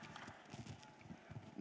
saudara dr otto hasibuan